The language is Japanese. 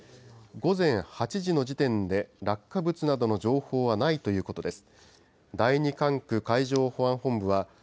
午前８時の時点で落下物などの情報はないということです。